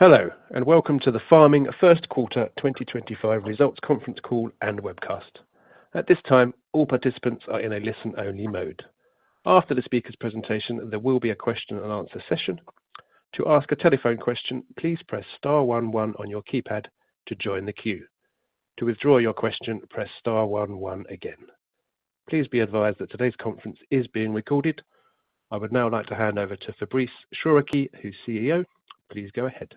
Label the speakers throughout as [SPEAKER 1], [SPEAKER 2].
[SPEAKER 1] Hello, and welcome to the Pharming First Quarter 2025 results conference call and webcast. At this time, all participants are in a listen-only mode. After the speaker's presentation, there will be a question-and-answer session. To ask a telephone question, please press star one one on your keypad to join the queue. To withdraw your question, press star one one again. Please be advised that today's conference is being recorded. I would now like to hand over to Fabrice Chouraqui, who's CEO. Please go ahead.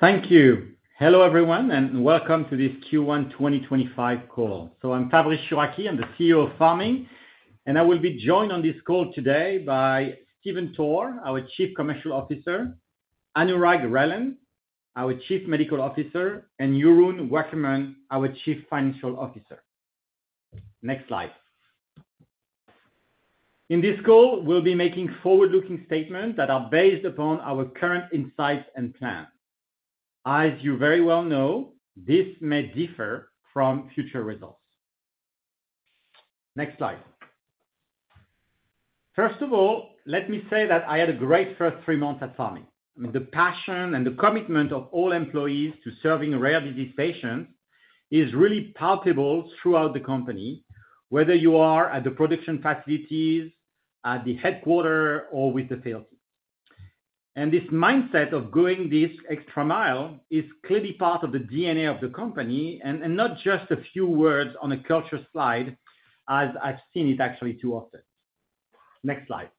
[SPEAKER 2] Thank you. Hello, everyone, and welcome to this Q1 2025 call. I'm Fabrice Chouraqui, I'm the CEO of Pharming, and I will be joined on this call today by Stephen Toor, our Chief Commercial Officer; Anurag Relan, our Chief Medical Officer; and Jeroen Wakkerman, our Chief Financial Officer. Next slide. In this call, we'll be making forward-looking statements that are based upon our current insights and plans. As you very well know, this may differ from future results. Next slide. First of all, let me say that I had a great first three months at Pharming. I mean, the passion and the commitment of all employees to serving rare disease patients is really palpable throughout the company, whether you are at the production facilities, at the headquarter, or with the sales. This mindset of going this extra mile is clearly part of the DNA of the company, and not just a few words on a culture slide, as I have seen it actually too often. Next slide.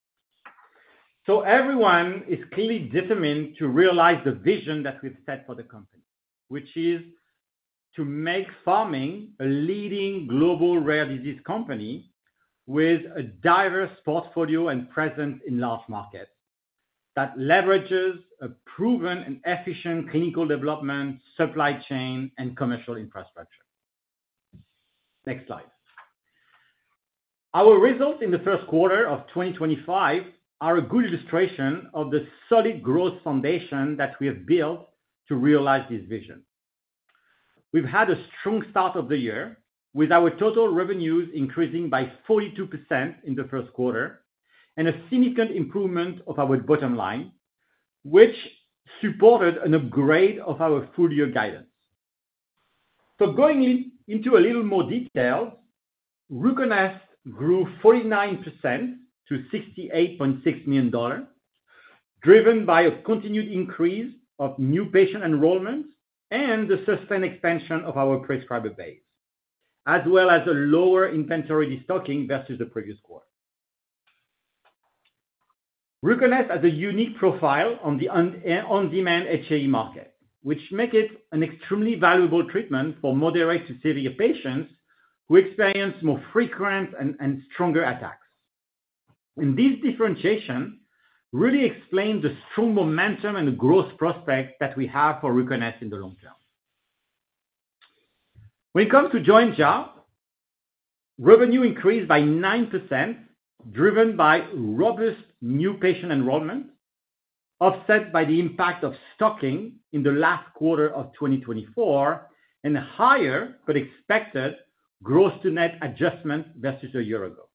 [SPEAKER 2] Everyone is clearly determined to realize the vision that we have set for the company, which is to make Pharming a leading global rare disease company with a diverse portfolio and presence in large markets that leverages a proven and efficient clinical development, supply chain, and commercial infrastructure. Next slide. Our results in the first quarter of 2025 are a good illustration of the solid growth foundation that we have built to realize this vision. We have had a strong start of the year, with our total revenues increasing by 42% in the first quarter and a significant improvement of our bottom line, which supported an upgrade of our full-year guidance. Going into a little more detail, grew 49% to $68.6 million, driven by a continued increase of new patient enrollment and the sustained expansion of our prescriber base, as well as a lower inventory restocking versus the previous quarter. RUCONEST has a unique profile on the on-demand HAE market, which makes it an extremely valuable treatment for moderate to severe patients who experience more frequent and stronger attacks. This differentiation really explains the strong momentum and the growth prospects that we have for RUCONEST in the long term. When it comes to Joenja, revenue increased by 9%, driven by robust new patient enrollment, offset by the impact of stocking in the last quarter of 2024, and higher but expected gross-to-net adjustment versus a year ago.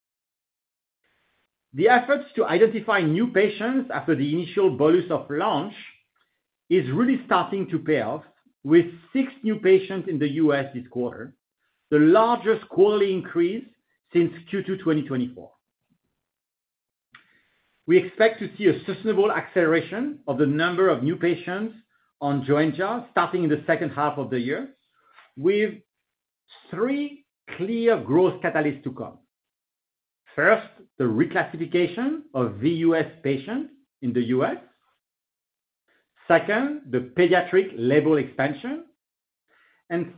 [SPEAKER 2] The efforts to identify new patients after the initial bolus of launch are really starting to pay off, with six new patients in the U.S. this quarter, the largest quarterly increase since Q2 2024. We expect to see a sustainable acceleration of the number of new patients on Joenja starting in the second half of the year, with three clear growth catalysts to come. First, the reclassification of VUS patients in the U.S. Second, the pediatric label expansion.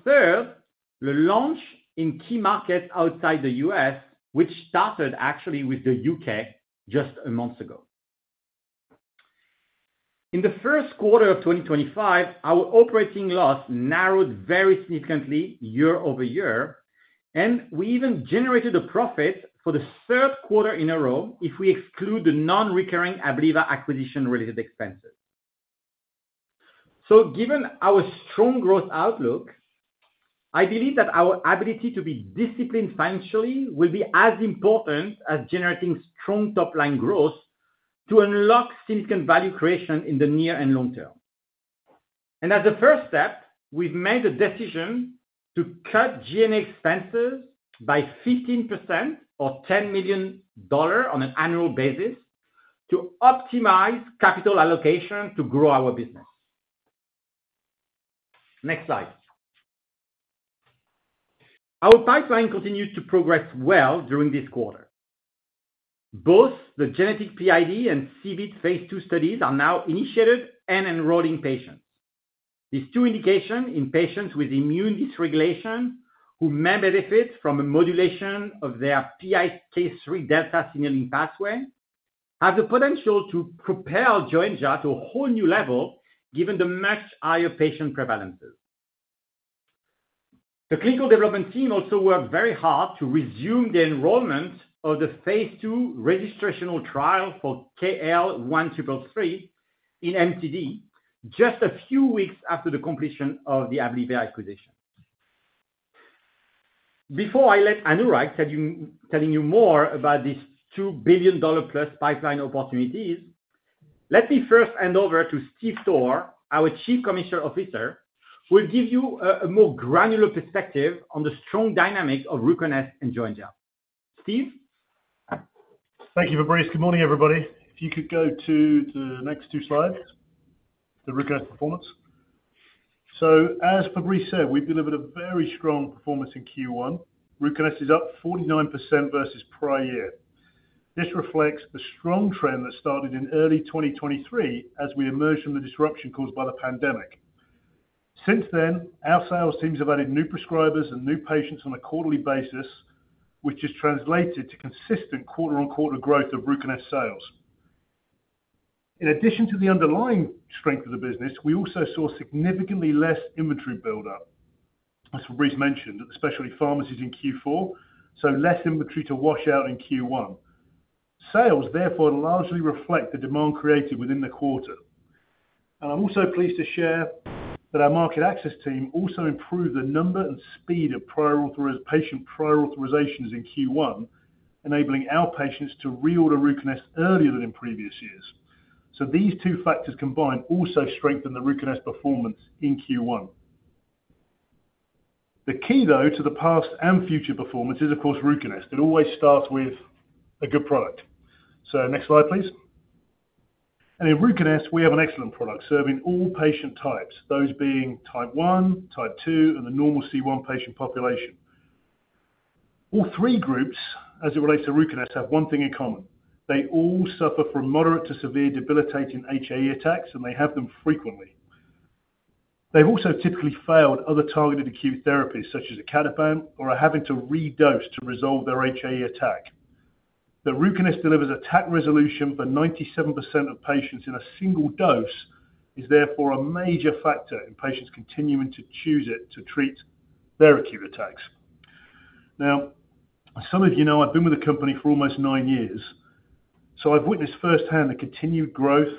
[SPEAKER 2] Third, the launch in key markets outside the U.S., which started actually with the U.K. just a month ago. In the first quarter of 2025, our operating loss narrowed very significantly year- over-year, and we even generated a profit for the third quarter in a row if we exclude the non-recurring Abliva acquisition-related expenses. Given our strong growth outlook, I believe that our ability to be disciplined financially will be as important as generating strong top-line growth to unlock significant value creation in the near and long term. As a first step, we've made the decision to cut G&A expenses by 15% or $10 million on an annual basis to optimize capital allocation to grow our business. Next slide. Our pipeline continues to progress well during this quarter. Both the genetic PID and CBIT phase two studies are now initiated and enrolling patients. These two indications in patients with immune dysregulation who may benefit from a modulation of their PI3K delta signaling pathway have the potential to propel Joenja to a whole new level given the much higher patient prevalence. The clinical development team also worked very hard to resume the enrollment of the phase two registrational trial for KL1333 in MTD just a few weeks after the completion of the Abliva acquisition. Before I let Anurag tell you more about these $2 billion-plus pipeline opportunities, let me first hand over to Stephen Toor, our Chief Commercial Officer, who will give you a more granular perspective on the strong dynamics of RUCONEST and Joenja. Steve?
[SPEAKER 3] Thank you, Fabrice. Good morning, everybody. If you could go to the next two slides, the RUCONEST performance. As Fabrice said, we have delivered a very strong performance in Q1. RUCONEST is up 49% versus prior year. This reflects the strong trend that started in early 2023 as we emerged from the disruption caused by the pandemic. Since then, our sales teams have added new prescribers and new patients on a quarterly basis, which has translated to consistent quarter-on-quarter growth of RUCONEST sales. In addition to the underlying strength of the business, we also saw significantly less inventory build-up, as Fabrice mentioned, especially pharmacies in Q4, so less inventory to wash out in Q1. Sales, therefore, largely reflect the demand created within the quarter. I'm also pleased to share that our market access team improved the number and speed of patient prior authorizations in Q1, enabling our patients to reorder RUCONEST earlier than in previous years. These two factors combined also strengthen the RUCONEST performance in Q1. The key, though, to the past and future performance is, of course, RUCONEST. It always starts with a product. Next slide, please. In RUCONEST, we have an excellent product serving all patient types, those being type one, type two and the normal C1 patient population. All three groups, as it relates to RUCONEST, have one thing in common. They all suffer from moderate to severe debilitating HAE attacks, and they have them frequently. They've also typically failed other targeted acute therapies, such as Icatibant, or are having to redose to resolve their HAE attack. RUCONEST delivers attack resolution for 97% of patients in a single dose. It is therefore a major factor in patients continuing to choose it to treat their acute attacks. Now, some of you know I've been with the company for almost 9 years, so I've witnessed firsthand the continued growth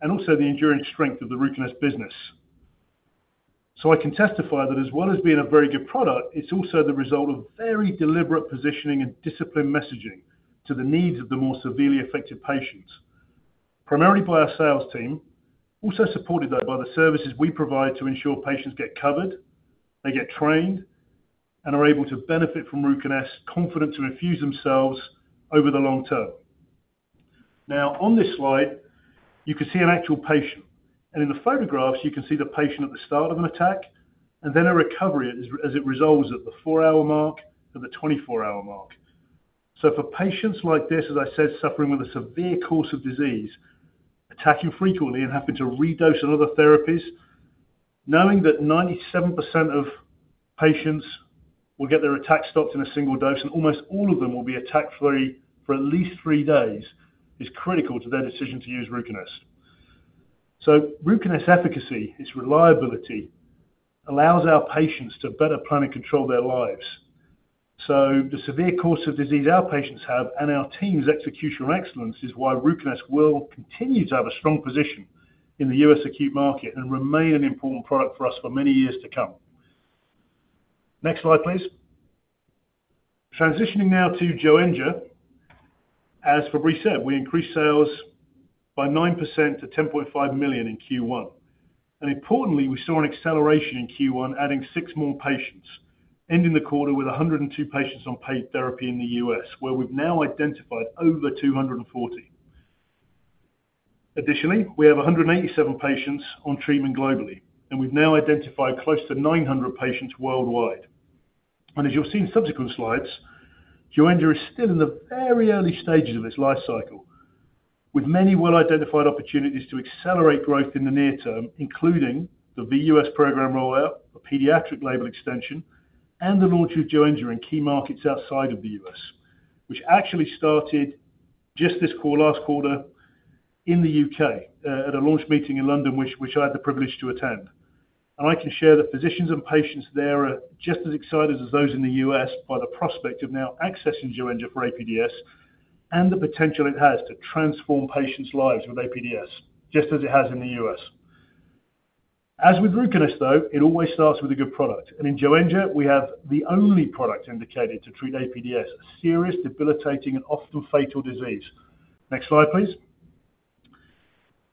[SPEAKER 3] and also the enduring strength of the RUCONEST business. I can testify that as well as being a very good product, it's also the result of very deliberate positioning and disciplined messaging to the needs of the more severely affected patients, primarily by our sales team, also supported, though, by the services we provide to ensure patients get covered, they get trained, and are able to benefit from RUCONEST, confident to infuse themselves over the long term. Now, on this slide, you can see an actual patient. In the photographs, you can see the patient at the start of an attack and then a recovery as it resolves at the four-hour mark and the 24-hour mark. For patients like this, as I said, suffering with a severe course of disease, attacking frequently and having to redose on other therapies, knowing that 97% of patients will get their attack stopped in a single dose and almost all of them will be attack-free for at least three days is critical to their decision to use RUCONEST. RUCONEST's efficacy, its reliability, allows our patients to better plan and control their lives. The severe course of disease our patients have and our team's execution of excellence is why RUCONEST will continue to have a strong position in the U.S. acute market and remain an important product for us for many years to come. Next slide, please. Transitioning now to Joenja. As Fabrice said, we increased sales by 9% to $10.5 million in Q1. Importantly, we saw an acceleration in Q1, adding six more patients, ending the quarter with 102 patients on paid therapy in the U.S., where we've now identified over 240. Additionally, we have 187 patients on treatment globally, and we've now identified close to 900 patients worldwide. As you'll see in subsequent slides, Joenja is still in the very early stages of its life cycle, with many well-identified opportunities to accelerate growth in the near term, including the VUS program rollout, a pediatric label extension, and the launch of Joenja in key markets outside of the U.S., which actually started just this last quarter in the U.K. at a launch meeting in London which I had the privilege to attend. I can share that physicians and patients there are just as excited as those in the U.S. by the prospect of now accessing Joenja for APDS and the potential it has to transform patients' lives with APDS, just as it has in the US. As with RUCONEST, though, it always starts with a good product. In Joenja, we have the only product indicated to treat APDS, a serious, debilitating, and often fatal disease. Next slide, please.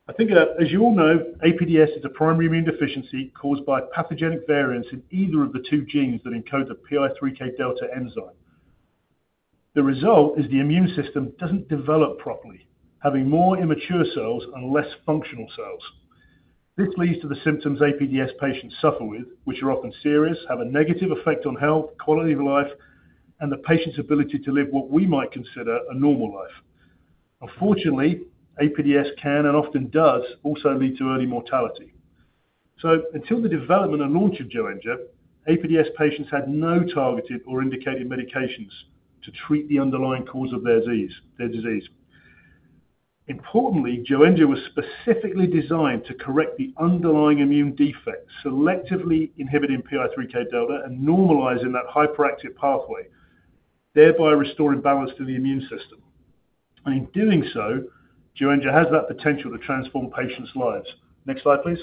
[SPEAKER 3] I think that, as you all know, APDS is a primary immune deficiency caused by pathogenic variants in either of the two genes that encode the PI3K delta enzyme. The result is the immune system does not develop properly, having more immature cells and less functional cells. This leads to the symptoms APDS patients suffer with, which are often serious, have a negative effect on health, quality of life, and the patient's ability to live what we might consider a normal life. Unfortunately, APDS can and often does also lead to early mortality. Until the development and launch of Joenja, APDS patients had no targeted or indicated medications to treat the underlying cause of their disease. Importantly, Joenja was specifically designed to correct the underlying immune defects, selectively inhibiting PI3K delta and normalizing that hyperactive pathway, thereby restoring balance to the immune system. In doing so, Joenja has that potential to transform patients lives. Next slide, please.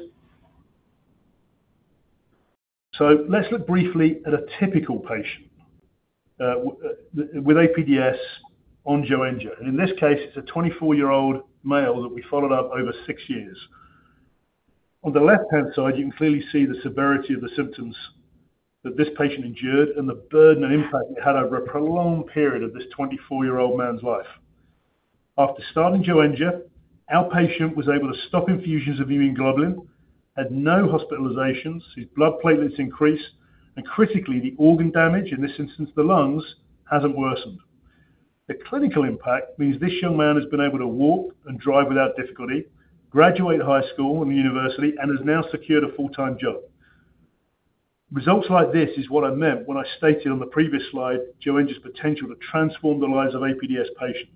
[SPEAKER 3] Let's look briefly at a typical patient with APDS on Joenja. In this case, it is a 24-year-old male that we followed up over six years. On the left-hand side, you can clearly see the severity of the symptoms that this patient endured and the burden and impact it had over a prolonged period of this 24-year-old man's life. After starting Joenja, our patient was able to stop infusions of immune globulin, had no hospitalizations, his blood platelets increased, and critically, the organ damage, in this instance, the lungs, has not worsened. The clinical impact means this young man has been able to walk and drive without difficulty, graduate high school and university, and has now secured a full-time job. Results like this is what I meant when I stated on the previous slide Joenja's potential to transform the lives of APDS patients.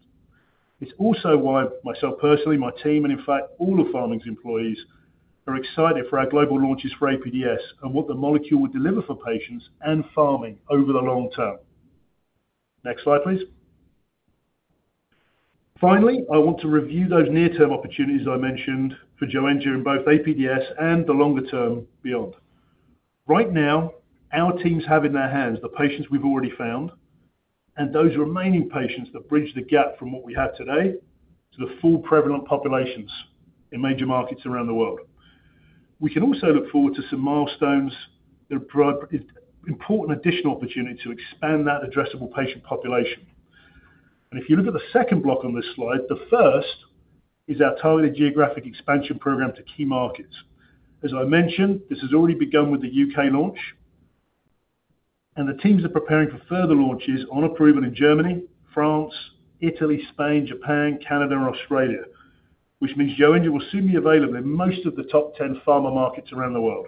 [SPEAKER 3] It's also why myself personally, my team, and in fact, all of Pharming's employees are excited for our global launches for APDS and what the molecule will deliver for patients and Pharming over the long term. Next slide, please. Finally, I want to review those near-term opportunities I mentioned for Joenja in both APDS and the longer term beyond. Right now, our teams have in their hands the patients we've already found and those remaining patients that bridge the gap from what we have today to the full prevalent populations in major markets around the world. We can also look forward to some milestones that provide important additional opportunity to expand that addressable patient population. If you look at the second block on this slide, the first is our targeted geographic expansion program to key markets. As I mentioned, this has already begun with the U.K. launch. The teams are preparing for further launches on approval in Germany, France, Italy, Spain, Japan, Canada, and Australia, which means Joenja will soon be available in most of the top 10 pharma markets around the world.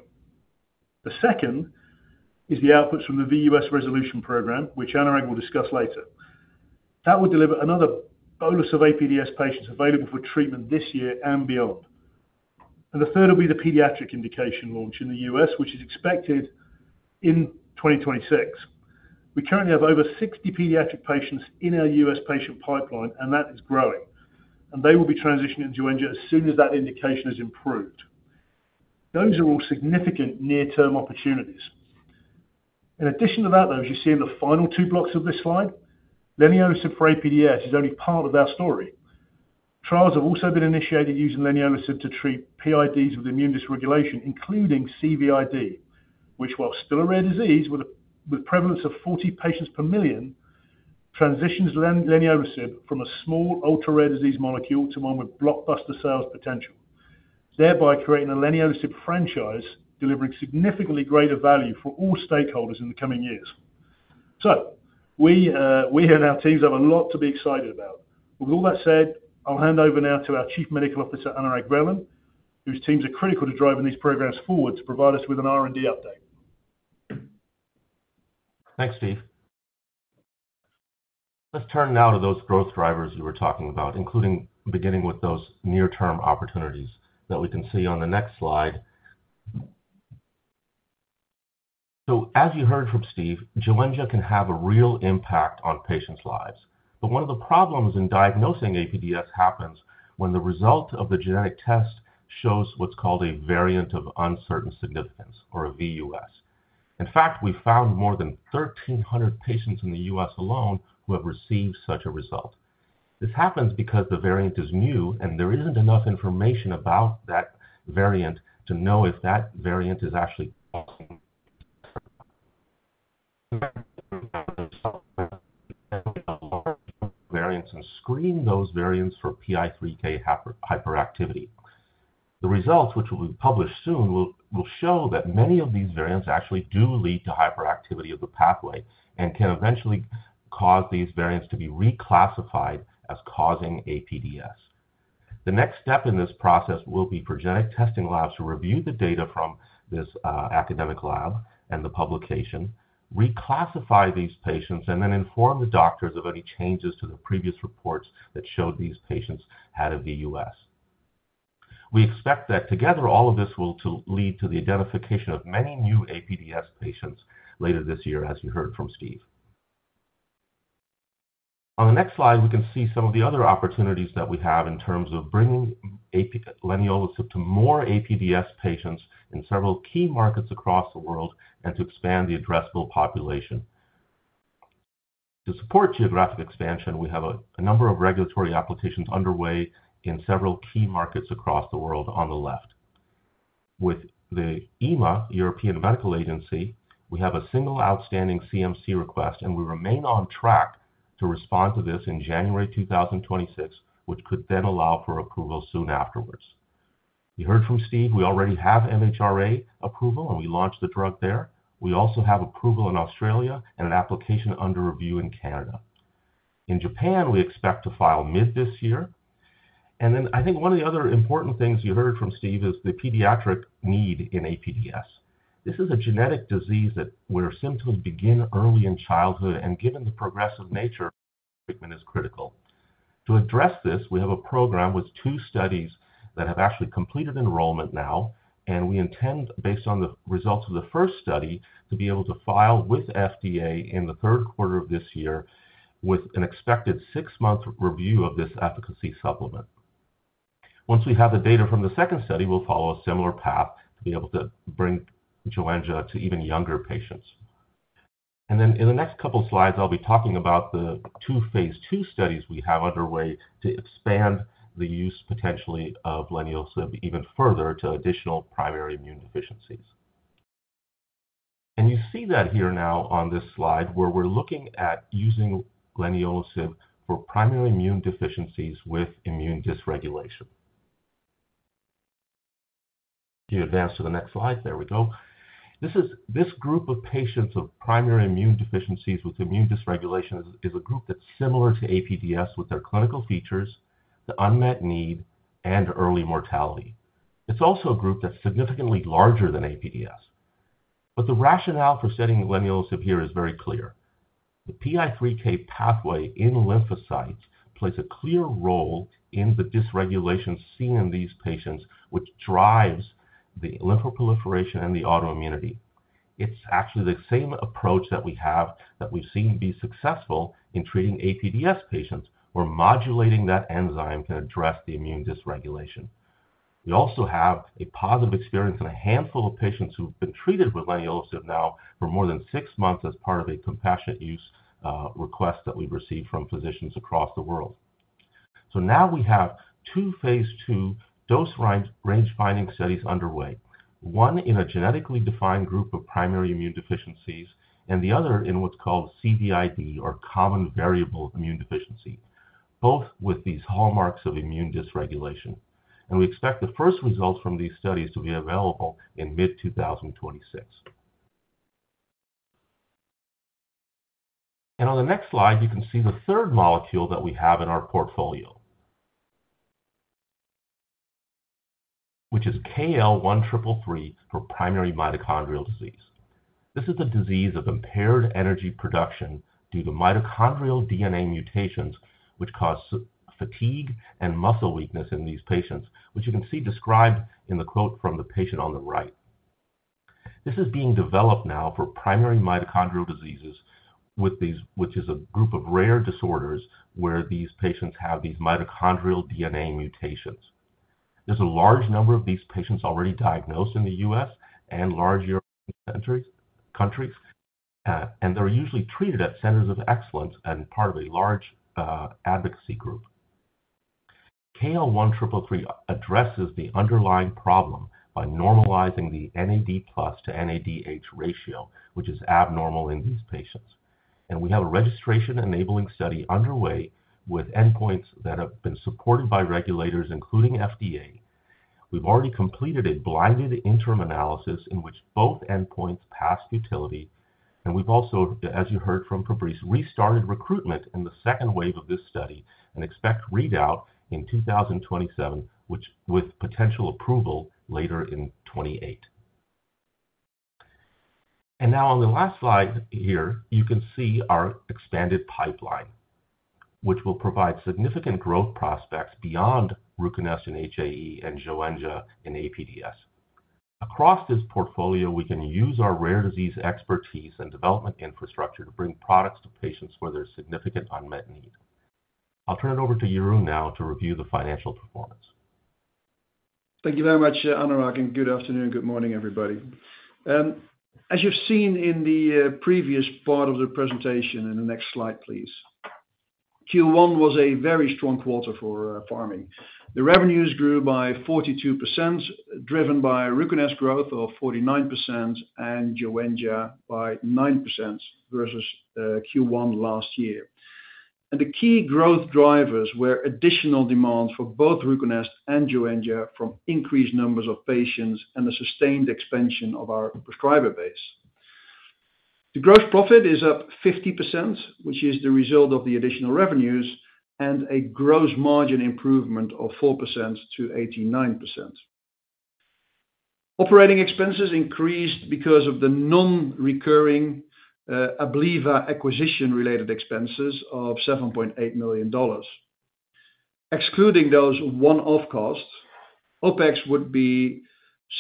[SPEAKER 3] The second is the outputs from the VUS resolution program, which Anurag will discuss later. That will deliver another bolus of APDS patients available for treatment this year and beyond. The third will be the pediatric indication launch in the U.S., which is expected in 2026. We currently have over 60 pediatric patients in our U.S. patient pipeline, and that is growing. They will be transitioning into Joenja as soon as that indication is approved. Those are all significant near-term opportunities. In addition to that, though, as you see in the final two blocks of this slide, leniolisib for APDS is only part of our story. Trials have also been initiated using leniolisib to treat PIDs with immune dysregulation, including CVID, which, while still a rare disease with a prevalence of 40 patients per million, transitions leniolisib from a small ultra-rare disease molecule to one with blockbuster sales potential, thereby creating a leniolisib franchise delivering significantly greater value for all stakeholders in the coming years. We and our teams have a lot to be excited about. With all that said, I'll hand over now to our Chief Medical Officer, Anurag Relan, whose teams are critical to driving these programs forward to provide us with an R&D update.
[SPEAKER 4] Thanks, Steve. Let's turn now to those growth drivers you were talking about, beginning with those near-term opportunities that we can see on the next slide. As you heard from Steve, Joenja can have a real impact on patients' lives. One of the problems in diagnosing APDS happens when the result of the genetic test shows what's called a variant of uncertain significance, or a VUS. In fact, we found more than 1,300 patients in the U.S. alone who have received such a result. This happens because the variant is new, and there isn't enough information about that variant to know if that variant is actually a pathogenic variant and screen those variants for PI3K hyperactivity. The results, which will be published soon, will show that many of these variants actually do lead to hyperactivity of the pathway and can eventually cause these variants to be reclassified as causing APDS. The next step in this process will be for genetic testing labs to review the data from this academic lab and the publication, reclassify these patients, and then inform the doctors of any changes to the previous reports that showed these patients had a VUS. We expect that together, all of this will lead to the identification of many new APDS patients later this year, as you heard from Stephen. On the next slide, we can see some of the other opportunities that we have in terms of bringing Joenja to more APDS patients in several key markets across the world and to expand the addressable population. To support geographic expansion, we have a number of regulatory applications underway in several key markets across the world on the left. With the EMA, European Medicines Agency, we have a single outstanding CMC request, and we remain on track to respond to this in January 2026, which could then allow for approval soon afterwards. You heard from Steve. We already have MHRA approval, and we launched the drug there. We also have approval in Australia and an application under review in Canada. In Japan, we expect to file mid this year. I think one of the other important things you heard from Steve is the pediatric need in APDS. This is a genetic disease where symptoms begin early in childhood, and given the progressive nature, treatment is critical. To address this, we have a program with two studies that have actually completed enrollment now, and we intend, based on the results of the first study, to be able to file with FDA in the third quarter of this year with an expected six-month review of this efficacy supplement. Once we have the data from the second study, we'll follow a similar path to be able to bring Joenja to even younger patients. In the next couple of slides, I'll be talking about the two phase two studies we have underway to expand the use potentially of leniolisib even further to additional primary immune deficiencies. You see that here now on this slide where we're looking at using leniolisib for primary immune deficiencies with immune dysregulation. Can you advance to the next slide? There we go. This group of patients of primary immune deficiencies with immune dysregulation is a group that's similar to APDS with their clinical features, the unmet need, and early mortality. It's also a group that's significantly larger than APDS. The rationale for setting leniolisib here is very clear. The PI3K pathway in lymphocytes plays a clear role in the dysregulation seen in these patients, which drives the lymphoproliferation and the autoimmunity. It's actually the same approach that we have that we've seen be successful in treating APDS patients where modulating that enzyme can address the immune dysregulation. We also have a positive experience in a handful of patients who've been treated with leniolisib now for more than six months as part of a compassionate use request that we've received from physicians across the world. Now we have two phase two dose range finding studies underway, one in a genetically defined group of primary immune deficiencies and the other in what's called CVID, or common variable immune deficiency, both with these hallmarks of immune dysregulation. We expect the first results from these studies to be available in mid 2026. On the next slide, you can see the third molecule that we have in our portfolio, which is KL1333 for primary mitochondrial disease. This is the disease of impaired energy production due to mitochondrial DNA mutations, which cause fatigue and muscle weakness in these patients, which you can see described in the quote from the patient on the right. This is being developed now for primary mitochondrial diseases, which is a group of rare disorders where these patients have these mitochondrial DNA mutations. There's a large number of these patients already diagnosed in the U.S. and larger countries, and they're usually treated at centers of excellence and part of a large advocacy group. KL1333 addresses the underlying problem by normalizing the NAD+ to NADH ratio, which is abnormal in these patients. We have a registration-enabling study underway with endpoints that have been supported by regulators, including FDA. We've already completed a blinded interim analysis in which both endpoints passed utility. We've also, as you heard from Fabrice's, restarted recruitment in the second wave of this study and expect readout in 2027, with potential approval later in 2028. Now on the last slide here, you can see our expanded pipeline, which will provide significant growth prospects beyond RUCONEST in HAE and Joenja in APDS. Across this portfolio, we can use our rare disease expertise and development infrastructure to bring products to patients where there's significant unmet need. I'll turn it over to Jeroen now to review the financial performance.
[SPEAKER 5] Thank you very much, Anurag, and good afternoon and good morning, everybody. As you've seen in the previous part of the presentation, in the next slide, please, Q1 was a very strong quarter for Pharming. The revenues grew by 42%, driven by RUCONEST growth of 49% and Joenja by 9% versus Q1 last year. The key growth drivers were additional demands for both RUCONEST and Joenja from increased numbers of patients and the sustained expansion of our prescriber base. The gross profit is up 50%, which is the result of the additional revenues, and a gross margin improvement of 4% to 89%. Operating expenses increased because of the non-recurring Abliva acquisition-related expenses of $7.8 million. Excluding those one-off costs, OpEx would be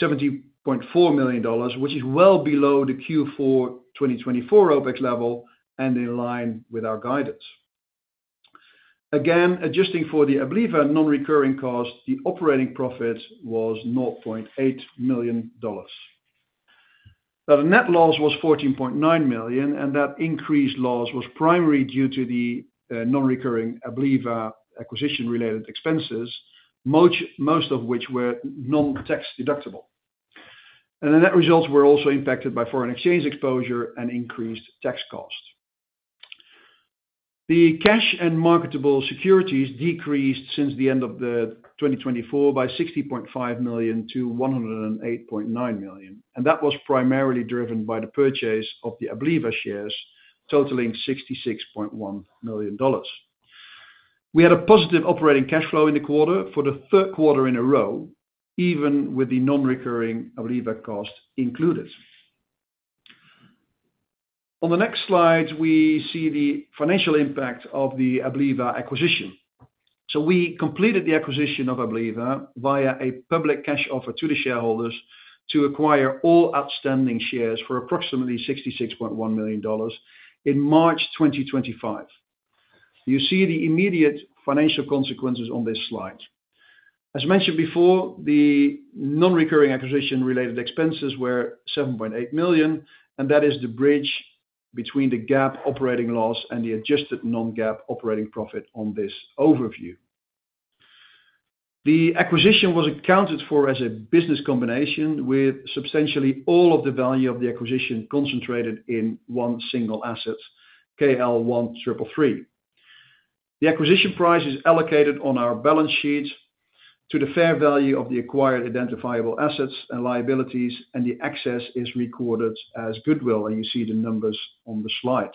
[SPEAKER 5] $70.4 million, which is well below the Q4 2024 OpEx level and in line with our guidance. Again, adjusting for the Abliva non-recurring cost, the operating profit was $0.8 million. Now, the net loss was $14.9 million, and that increased loss was primarily due to the non-recurring Abliva acquisition-related expenses, most of which were non-tax deductible. The results were also impacted by foreign exchange exposure and increased tax cost. The cash and marketable securities decreased since the end of 2024 by $60.5 million to $108.9 million. That was primarily driven by the purchase of the Abliva shares, totaling $66.1 million. We had a positive operating cash flow in the quarter for the third quarter in a row, even with the non-recurring Abliva cost included. On the next slide, we see the financial impact of the Abliva acquisition. We completed the acquisition of Abliva via a public cash offer to the shareholders to acquire all outstanding shares for approximately $66.1 million in March 2025. You see the immediate financial consequences on this slide. As mentioned before, the non-recurring acquisition-related expenses were $7.8 million, and that is the bridge between the GAAP operating loss and the adjusted non-GAAP operating profit on this overview. The acquisition was accounted for as a business combination with substantially all of the value of the acquisition concentrated in one single asset, KL1333. The acquisition price is allocated on our balance sheet to the fair value of the acquired identifiable assets and liabilities, and the excess is recorded as goodwill, and you see the numbers on the slide.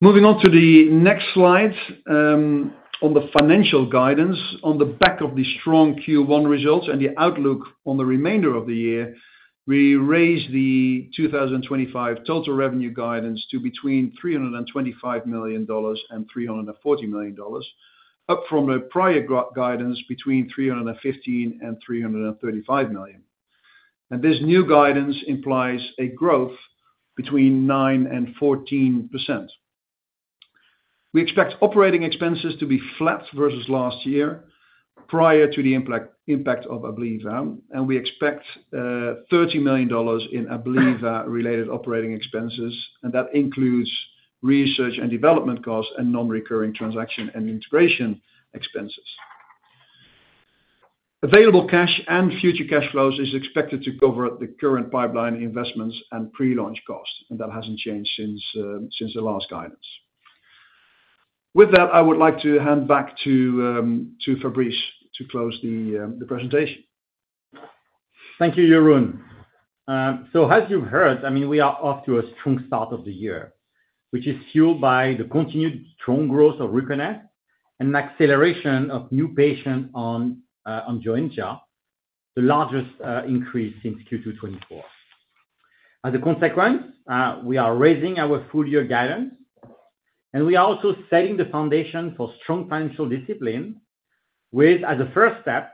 [SPEAKER 5] Moving on to the next slide, on the financial guidance, on the back of the strong Q1 results and the outlook on the remainder of the year, we raised the 2025 total revenue guidance to between $325 million and $340 million, up from the prior guidance between $315 million and $335 million. This new guidance implies a growth between 9% and 14%. We expect operating expenses to be flat versus last year prior to the impact of Abliva, and we expect $30 million in Abliva related operating expenses, and that includes research and development costs and non-recurring transaction and integration expenses. Available cash and future cash flows are expected to cover the current pipeline investments and pre-launch costs, and that has not changed since the last guidance. With that, I would like to hand back to Fabrice to close the presentation.
[SPEAKER 2] Thank you, Jeroen. As you've heard, I mean, we are off to a strong start of the year, which is fueled by the continued strong growth of RUCONEST and an acceleration of new patients on Joenja, the largest increase since Q2 2024. As a consequence, we are raising our full-year guidance, and we are also setting the foundation for strong financial discipline, with, as a first step,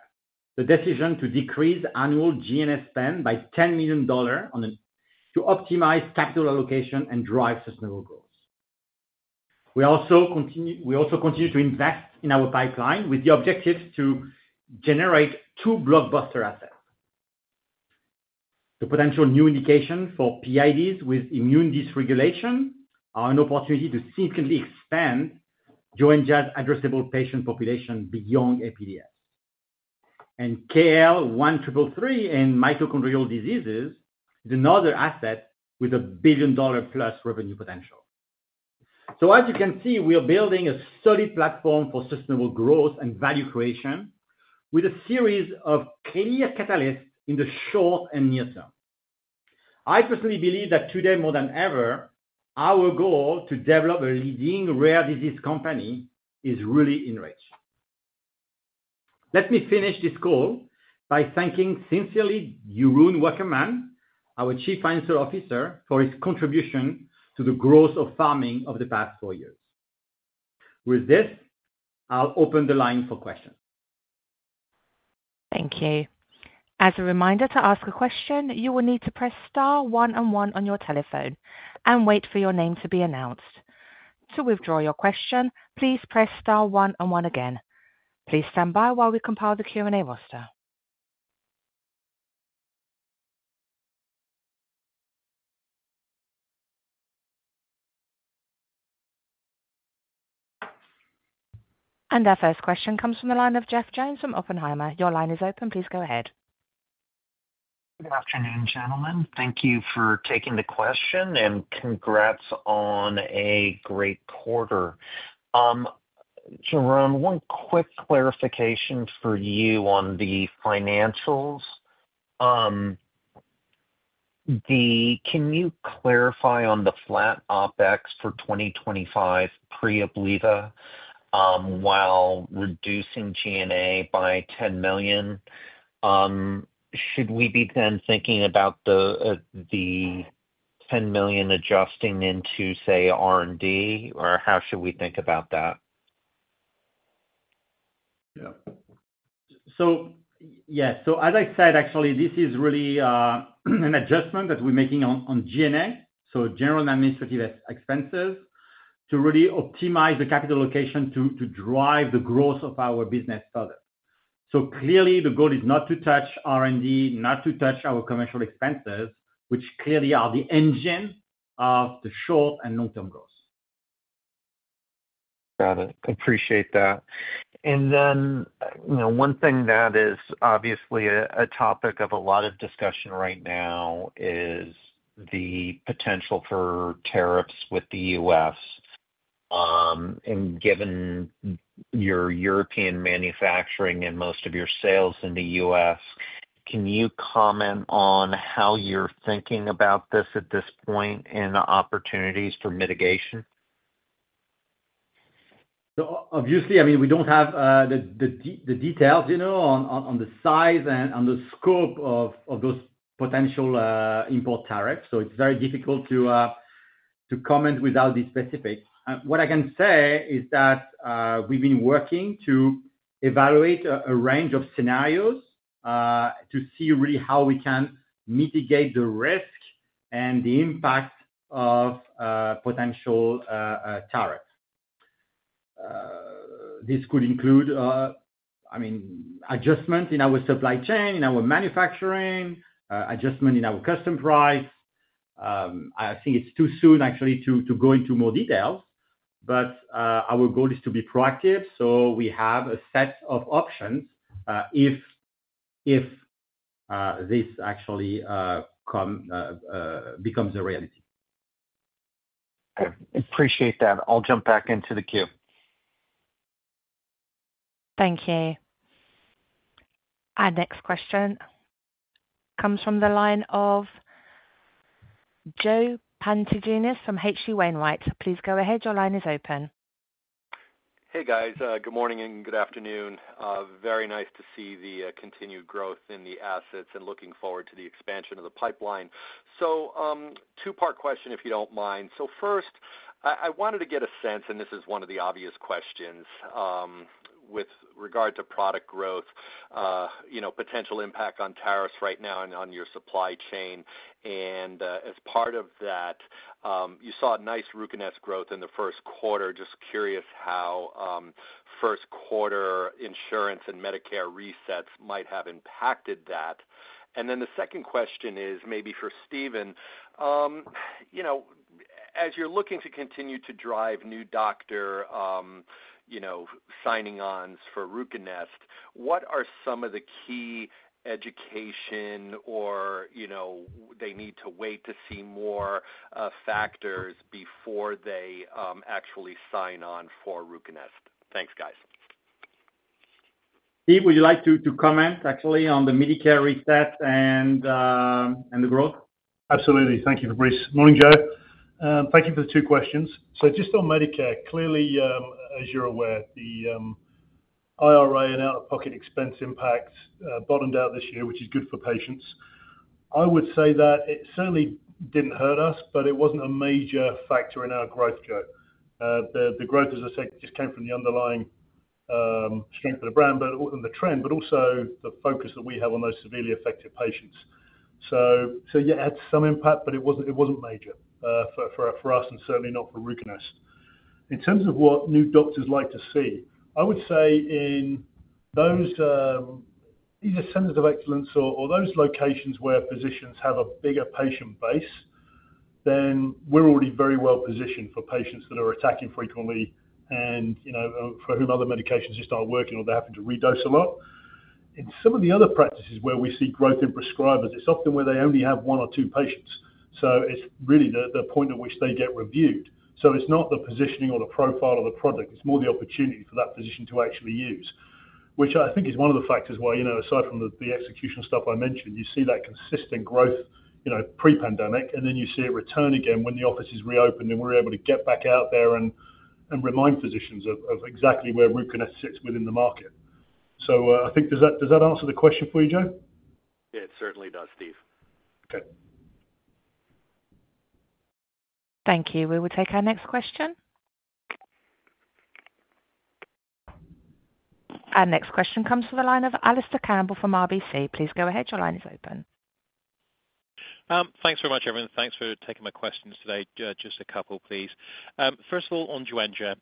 [SPEAKER 2] the decision to decrease annual G&A spend by $10 million to optimize capital allocation and drive sustainable growth. We also continue to invest in our pipeline with the objectives to generate two blockbuster assets. The potential new indication for PIDs with immune dysregulation is an opportunity to significantly expand Joenja's addressable patient population beyond APDS. KL1333 in mitochondrial diseases is another asset with a billion-dollar-plus revenue potential. As you can see, we are building a solid platform for sustainable growth and value creation with a series of clear catalysts in the short and near term. I personally believe that today, more than ever, our goal to develop a leading rare disease company is really enriched. Let me finish this call by thanking sincerely Jeroen Wakkerman, our Chief Financial Officer, for his contribution to the growth of Pharming over the past four years. With this, I'll open the line for questions.
[SPEAKER 6] Thank you. As a reminder to ask a question, you will need to press star one and one on your telephone and wait for your name to be announced. To withdraw your question, please press star one and one again. Please stand by while we compile the Q&A roster. Our first question comes from the line of Jeff Jones from Oppenheimer. Your line is open. Please go ahead.
[SPEAKER 7] Good afternoon, gentlemen. Thank you for taking the question, and congrats on a great quarter. Jeroen, one quick clarification for you on the financials. Can you clarify on the flat OpEx for 2025 pre-Abliva while reducing G&A by $10 million? Should we be then thinking about the $10 million adjusting into, say, R&D, or how should we think about that?
[SPEAKER 5] Yeah. So as I said, actually, this is really an adjustment that we're making on G&A, so general administrative expenses, to really optimize the capital allocation to drive the growth of our business further. Clearly, the goal is not to touch R&D, not to touch our commercial expenses, which clearly are the engine of the short and long-term growth.
[SPEAKER 7] Got it. Appreciate that. One thing that is obviously a topic of a lot of discussion right now is the potential for tariffs with the U.S. Given your European manufacturing and most of your sales in the U.S., can you comment on how you're thinking about this at this point and opportunities for mitigation?
[SPEAKER 2] Obviously, I mean, we do not have the details on the size and on the scope of those potential import tariffs, so it is very difficult to comment without the specifics. What I can say is that we have been working to evaluate a range of scenarios to see really how we can mitigate the risk and the impact of potential tariffs. This could include, I mean, adjustment in our supply chain, in our manufacturing, adjustment in our custom price. I think it is too soon, actually, to go into more details, but our goal is to be proactive, so we have a set of options if this actually becomes a reality.
[SPEAKER 7] Appreciate that. I'll jump back into the queue.
[SPEAKER 6] Thank you. Our next question comes from the line of Joe Pantginis from H.C. Wainwright. Please go ahead. Your line is open.
[SPEAKER 8] Hey, guys. Good morning and good afternoon. Very nice to see the continued growth in the assets and looking forward to the expansion of the pipeline. Two-part question, if you do not mind. First, I wanted to get a sense, and this is one of the obvious questions, with regard to product growth, potential impact on tariffs right now and on your supply chain. As part of that, you saw a nice RUCONEST growth in the first quarter. Just curious how first-quarter insurance and Medicare resets might have impacted that. The second question is maybe for Stephen. As you are looking to continue to drive new doctor signing-ons for RUCONEST, what are some of the key education or do they need to wait to see more factors before they actually sign on for RUCONEST? Thanks, guys.
[SPEAKER 2] Steve, would you like to comment, actually, on the Medicare reset and the growth?
[SPEAKER 3] Absolutely. Thank you, Fabrice. Morning, Joe, thank you for the two questions. Just on Medicare, clearly, as you're aware, the IRA and out-of-pocket expense impact bottomed out this year, which is good for patients. I would say that it certainly did not hurt us, but it was not a major factor in our growth, Joe. The growth, as I said, just came from the underlying strength of the brand and the trend, but also the focus that we have on those severely affected patients. Yeah, it had some impact, but it was not major for us and certainly not for RUCONEST. In terms of what new doctors like to see, I would say in those centers of excellence or those locations where physicians have a bigger patient base, then we're already very well positioned for patients that are attacking frequently and for whom other medications just aren't working or they're having to re-dose a lot. In some of the other practices where we see growth in prescribers, it's often where they only have one or two patients. It is really the point at which they get reviewed. It is not the positioning or the profile of the product. It's more the opportunity for that physician to actually use, which I think is one of the factors where, aside from the execution stuff I mentioned, you see that consistent growth pre-pandemic, and then you see it return again when the office is reopened and we're able to get back out there and remind physicians of exactly where RUCONEST sits within the market. I think does that answer the question for you, Joe?
[SPEAKER 8] Yeah, it certainly does, Steve. Okay.
[SPEAKER 6] Thank you. We will take our next question. Our next question comes from the line of Alistair Campbell from RBC. Please go ahead. Your line is open.
[SPEAKER 9] Thanks very much, everyone. Thanks for taking my questions today. Just a couple, please. First of all, on Joenja,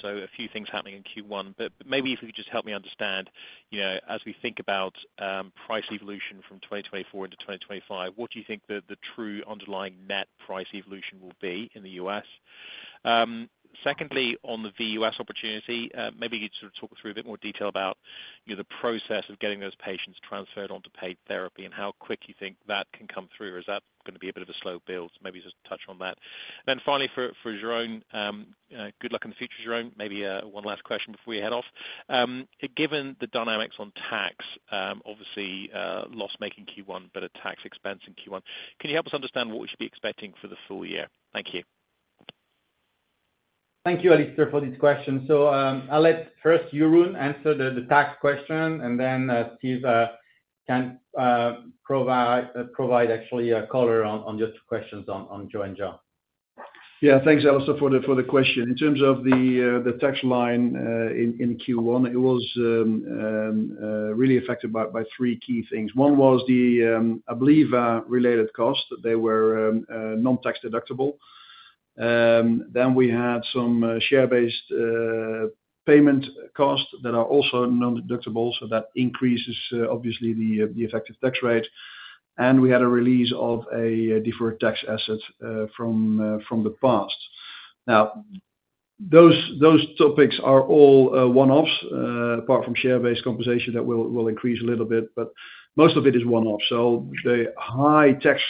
[SPEAKER 9] so a few things happening in Q1, but maybe if you could just help me understand, as we think about price evolution from 2024 into 2025, what do you think the true underlying net price evolution will be in the U.S.? Secondly, on the VUS opportunity, maybe you could sort of talk through a bit more detail about the process of getting those patients transferred onto paid therapy and how quick you think that can come through, or is that going to be a bit of a slow build? Maybe just touch on that. And then finally, for Jeroen, good luck in the future, Jeroen. Maybe one last question before we head off. Given the dynamics on tax, obviously loss-making Q1, but a tax expense in Q1, can you help us understand what we should be expecting for the full year? Thank you.
[SPEAKER 2] Thank you, Alistair, for these questions. I'll let first Jeroen answer the tax question, and then Steve can provide actually a color on your two questions on Joenja.
[SPEAKER 5] Yeah, thanks, Alistair, for the question. In terms of the tax line in Q1, it was really affected by three key things. One was the Abliva-related costs. They were non-tax deductible. Then we had some share-based payment costs that are also non-deductible, so that increases, obviously, the effective tax rate. We had a release of a deferred tax asset from the past. Now, those topics are all one-offs, apart from share-based compensation that will increase a little bit, but most of it is one-off. The high tax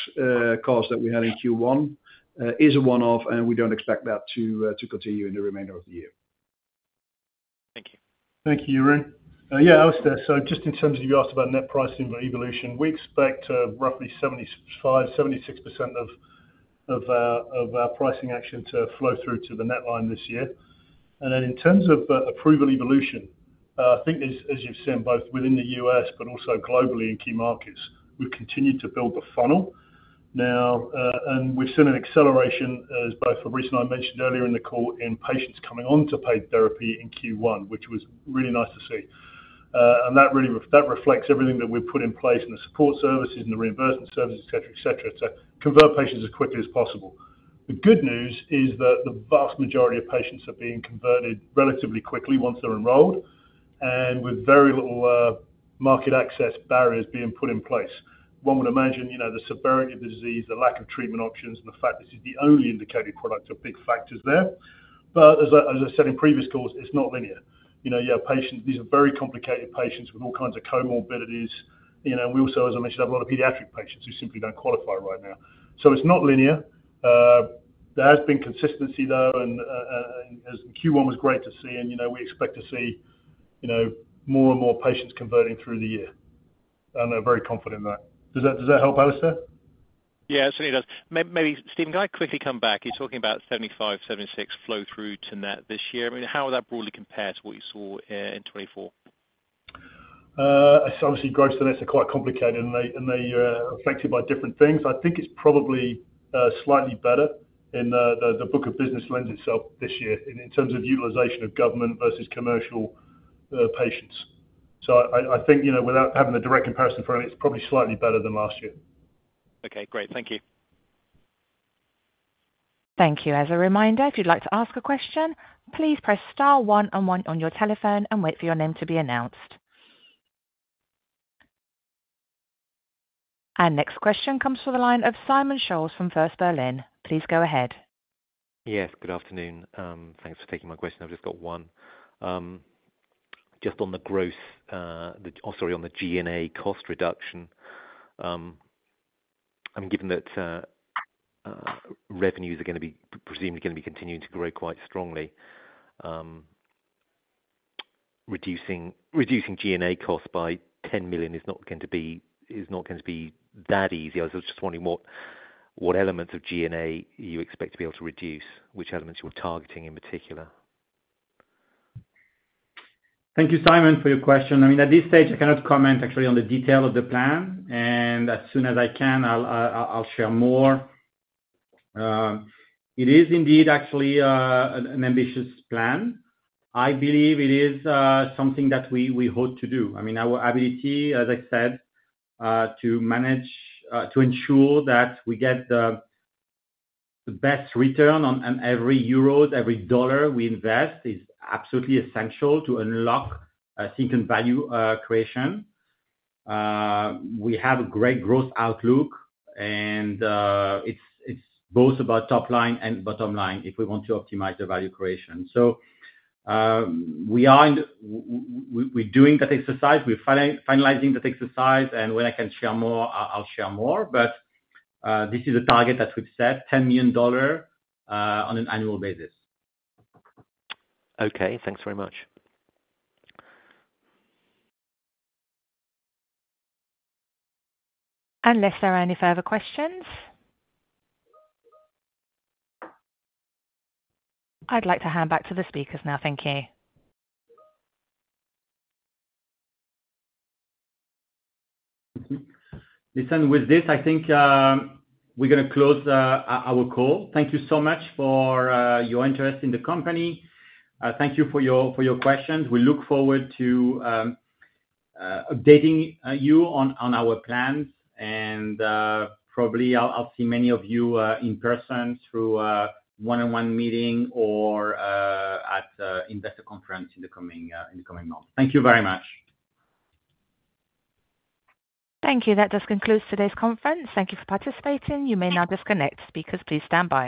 [SPEAKER 5] cost that we had in Q1 is a one-off, and we don't expect that to continue in the remainder of the year.
[SPEAKER 9] Thank you.
[SPEAKER 3] Thank you, Jeroen. Yeah, Alistair, so just in terms of you asked about net pricing or evolution, we expect roughly 75%-76% of our pricing action to flow through to the net line this year. In terms of approval evolution, I think, as you've seen, both within the U.S. but also globally in key markets, we've continued to build the funnel. Now, we've seen an acceleration, as both Fabrice and I mentioned earlier in the call, in patients coming onto paid therapy in Q1, which was really nice to see. That reflects everything that we've put in place in the support services and the reimbursement services, etc., etc., to convert patients as quickly as possible. The good news is that the vast majority of patients are being converted relatively quickly once they're enrolled and with very little market access barriers being put in place. One would imagine the severity of the disease, the lack of treatment options, and the fact this is the only indicated product are big factors there. As I said in previous calls, it's not linear. You have patients; these are very complicated patients with all kinds of comorbidities. We also, as I mentioned, have a lot of pediatric patients who simply don't qualify right now. It is not linear. There has been consistency, though, and Q1 was great to see, and we expect to see more and more patients converting through the year. I'm very confident in that. Does that help, Alistair?
[SPEAKER 9] Yeah, certainly it does. Maybe, Steve, can I quickly come back? You're talking about 75%-76% flow-through to net this year. I mean, how would that broadly compare to what you saw in 2024?
[SPEAKER 3] Obviously, growths and this are quite complicated, and they are affected by different things. I think it's probably slightly better in the book of business lens itself this year in terms of utilization of government versus commercial patients. I think without having the direct comparison for it, it's probably slightly better than last year.
[SPEAKER 10] Okay, great. Thank you.
[SPEAKER 6] Thank you. As a reminder, if you'd like to ask a question, please press star one and one on your telephone and wait for your name to be announced. Our next question comes from the line of Simon Scholes from First Berlin. Please go ahead.
[SPEAKER 11] Yes, good afternoon. Thanks for taking my question. I've just got one. Just on the growth, or sorry, on the G&A cost reduction, I'm given that revenues are going to be presumably going to be continuing to grow quite strongly. Reducing G&A costs by $10 million is not going to be that easy. I was just wondering what elements of G&A you expect to be able to reduce, which elements you're targeting in particular.
[SPEAKER 2] Thank you, Simon, for your question. I mean, at this stage, I cannot comment actually on the detail of the plan, and as soon as I can, I'll share more. It is indeed actually an ambitious plan. I believe it is something that we hope to do. I mean, our ability, as I said, to ensure that we get the best return on every euro, every dollar we invest is absolutely essential to unlock sync and value creation. We have a great growth outlook, and it's both about top line and bottom line if we want to optimize the value creation. We're doing that exercise. We're finalizing that exercise, and when I can share more, I'll share more. This is a target that we've set, $10 million on an annual basis.
[SPEAKER 11] Okay. Thanks very much.
[SPEAKER 6] Alistair, if you have any further questions, I'd like to hand back to the speakers now. Thank you.
[SPEAKER 2] Listen, with this, I think we're going to close our call. Thank you so much for your interest in the company. Thank you for your questions. We look forward to updating you on our plans, and probably I'll see many of you in person through one-on-one meeting or at investor conference in the coming months. Thank you very much.
[SPEAKER 6] Thank you. That does conclude today's conference. Thank you for participating. You may now disconnect. Speakers, please stand by.